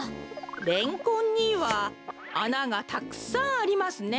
レンコンにはあながたくさんありますね。